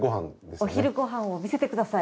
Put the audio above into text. お昼ご飯を見せてください。